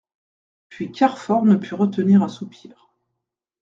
Puis Carfor ne put retenir un soupir.